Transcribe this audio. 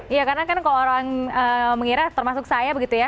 iya karena kan kalau orang mengira termasuk saya begitu ya